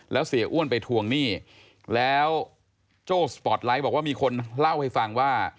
แล้วเสียอ้วนไปทวงหนี้แล้วโจ้สปอร์ตไลท์บอกว่ามีคนเล่าให้ฟังว่า